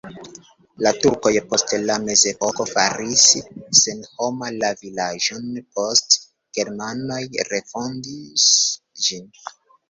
La turkoj post la mezepoko faris senhoma la vilaĝon, poste germanoj refondis ĝin.